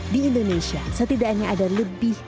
di indonesia setidaknya ada lebih